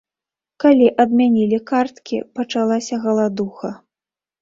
Калі адмянілі карткі, пачалася галадуха.